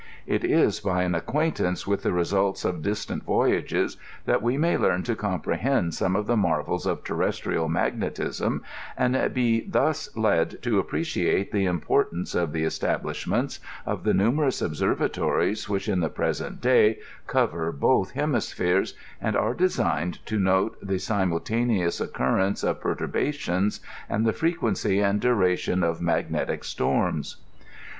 It is by an ac quaintance with the results of distant voyages that we may learn to comprehend some of the marvels of terrestrial mag netism, and be thus led to appreciate the importance of the estal lishments of the numerous observatories which in the present day cover both hemispheres, and are designed to note INTKODUCTION. 48 the dmaltaneous oocunenoe of perturbations, and the £reqiien cy and duration of rnagnetic storms.